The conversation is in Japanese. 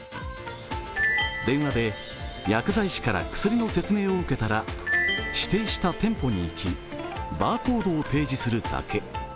電話で薬剤師から薬の説明を受けたら指定した店舗に行き、バーコードを提示するだけ。